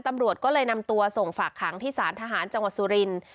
ตำรวจก็เลยนำตัวส่งฝากขังที่สารทหารจังหวัดสุรินทร์